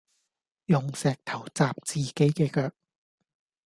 用石頭砸自己嘅腳